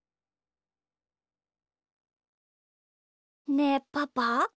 ねえパパ。